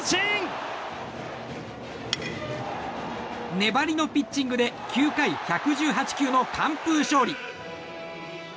粘りのピッチングで９回１１８球の完封勝利。